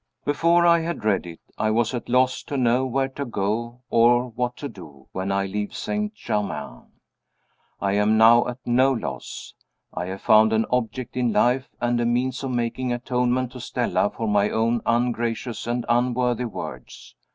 Before I had read it, I was at a loss to know where to go, or what to do, when I leave St. Germain. I am now at no loss. I have found an object in life, and a means of making atonement to Stella for my own ungracious and unworthy words.